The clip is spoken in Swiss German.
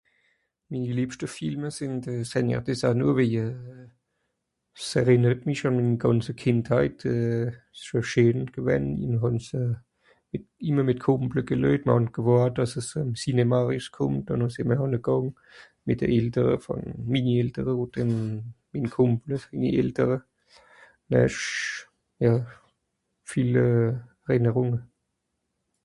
"Mini liebschte Filme sìnn de ""seigneur des anneaux"", wèje... s errìnert mich àn mini gànze Kìndheit euh... so scheen gewänn... mr hàn se immer mìt Kùmple gelüejt, mìr hàn gewàrt dàss es ìm Cinéma rüskùmmt, ùn noh sìì m'r ànnegàng, mìt de Eltere vùn... Mini Eltere odder ìn mim Kùmpel sinni Eltere, no hesch... Ja... viel euh... Errìnerùnge."